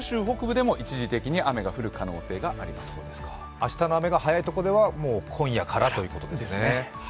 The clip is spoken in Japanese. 明日の雨が早いところでは今夜からということですね。